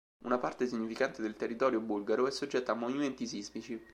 Una parte significante del territorio bulgaro è soggetta a movimenti sismici.